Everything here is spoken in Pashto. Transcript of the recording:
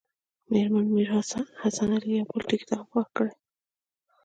مېرمن میر حسن علي یو بل ټکي ته هم پام کړی.